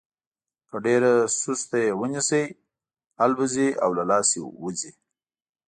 که ډېره سسته یې ونیسئ الوزي او له لاسه وځي.